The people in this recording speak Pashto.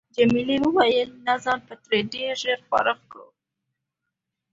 جميلې وويل: نه ځان به ترې ډېر ژر فارغ کړو.